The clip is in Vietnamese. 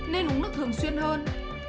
nên uống nước thường xuyên hơn